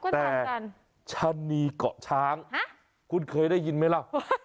แต่ชะนีเกาะช้างคุณเคยได้ยินไหมล่ะ